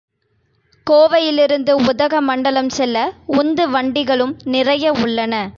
கோவையிலிருந்து உதக மண்டலம் செல்ல உந்து வண்டிகளும் நிறைய உள்ளன.